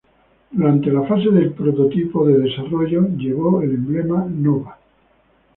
Durante la fase de prototipo en desarrollo, llevó el emblema Nova.